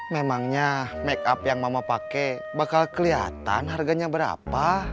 memangnya makeup yang mama pakai bakal kelihatan harganya berapa